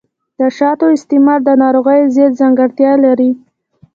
د شاتو استعمال د ناروغیو ضد ځانګړتیا لري.